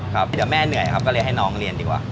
ครับเดี๋ยวแม่เหนื่อยครับก็เลยให้น้องเรียนดีกว่า